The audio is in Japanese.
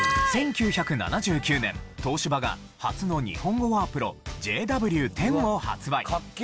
１９７９年東芝が初の日本語ワープロＪＷ−１０を発売。